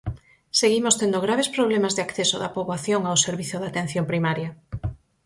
Seguimos tendo graves problemas de acceso da poboación ao servizo de Atención Primaria.